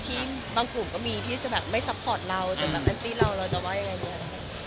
บางกลุ่มก็มีที่จะแบบไม่ซัพพอร์ตเราจะแบบแอนตี้เราเราจะว่ายังไงด้วย